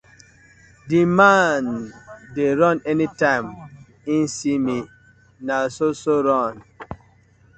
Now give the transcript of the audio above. Di man dey run anytime im see mi no so so run.